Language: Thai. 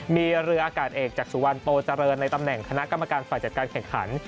มีเรืออากาศเอกจากสุวรรณโตเจริญในตำแหน่งคณะกรรมการฝ่ายจัดการแข่งขัน